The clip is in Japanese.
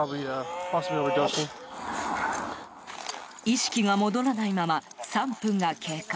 意識が戻らないまま３分が経過。